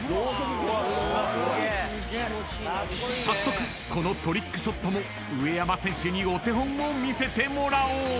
［早速このトリックショットも上山選手にお手本を見せてもらおう］